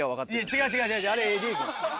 違う違う違うあれＡＤ君。